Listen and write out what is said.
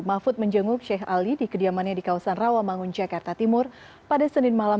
mahfud menjenguk sheikh ali di kediamannya di kawasan rawamangun jakarta timur pada senin malam